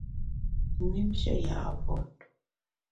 Mümnshe ya’ vot.